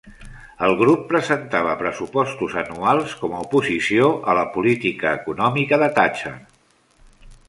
El grup presentava pressupostos anuals com a oposició a la política econòmica de Thatcher.